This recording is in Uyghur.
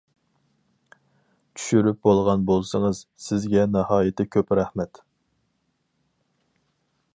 چۈشۈرۈپ بولغان بولسىڭىز، سىزگە ناھايىتى كۆپ رەھمەت.